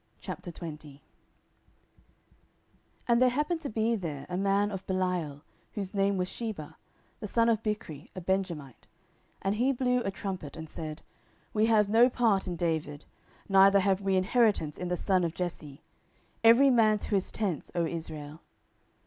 10:020:001 And there happened to be there a man of Belial, whose name was Sheba, the son of Bichri, a Benjamite: and he blew a trumpet, and said, We have no part in David, neither have we inheritance in the son of Jesse: every man to his tents, O Israel.